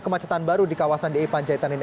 kemacetan baru di kawasan daerah ipan jahitan ini